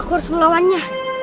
aku harus melawannya